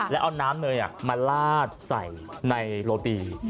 แล้วเอาน้ำเนยมาลาดใส่ในโรตี